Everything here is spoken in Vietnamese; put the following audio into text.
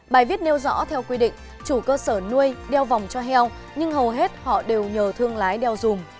bài viết nêu rõ theo quy định chủ cơ sở nuôi đeo vòng cho heo nhưng hầu hết họ đều nhờ thương lái đeo dùm